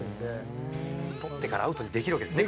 捕ってからアウトにできるわけですね。